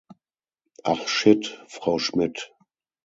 Ach Shit, Frau Schmitt.